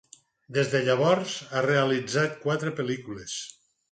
Des de llavors, ha realitzat quatre pel·lícules.